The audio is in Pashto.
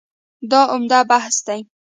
دا عمده بحث دی.